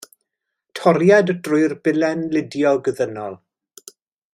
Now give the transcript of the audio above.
Toriad drwy'r bilen ludiog ddynol.